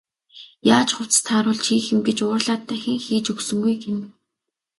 Яаж хувцас тааруулж хийх юм гэж уурлаад дахин хийж өгсөнгүй гэнэ.